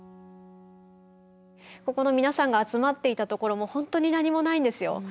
ここの皆さんが集まっていたところも本当に何もないんですよ。